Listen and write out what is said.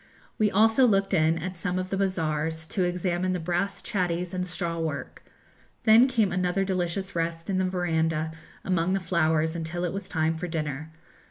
We also looked in at some of the bazaars, to examine the brass chatties and straw work. Then came another delicious rest in the verandah among the flowers until it was time for dinner.